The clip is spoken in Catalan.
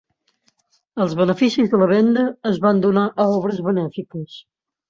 Els beneficis de la venda es van donar a obres benèfiques.